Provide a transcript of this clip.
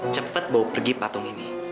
cepat bawa pergi patung ini